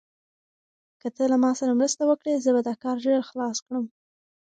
که ته له ما سره مرسته وکړې، زه به دا کار ژر خلاص کړم.